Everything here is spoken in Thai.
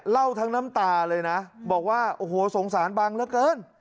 เล่าทั้งน้ำตาเลยนะบอกว่าโอ้โหสงสารบังเหลือเกิน